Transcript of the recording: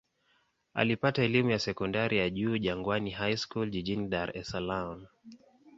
Alipata elimu ya sekondari ya juu Jangwani High School jijini Dar es Salaam.